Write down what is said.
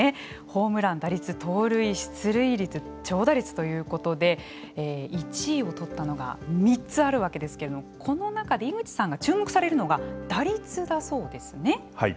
ホームラン、打率、盗塁、出塁率長打率ということで１位を取ったのが３つあるわけですけれどもこの中で井口さんが注目されるのがはい。